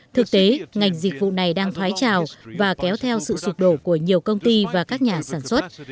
thực tế ngành dịch vụ này đang thoái trào và kéo theo sự sụp đổ của nhiều công ty và các nhà sản xuất